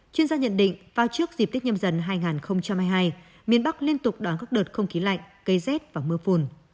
chuyên gia nhận định vào trước dịp tết nhâm dần hai nghìn hai mươi hai miền bắc liên tục đón các đợt không khí lạnh cây rét và mưa phùn